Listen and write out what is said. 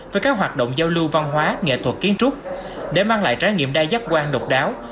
với các hoạt động giao lưu văn hóa nghệ thuật kiến trúc để mang lại trải nghiệm đa giác quan độc đáo